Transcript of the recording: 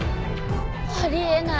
あり得ない。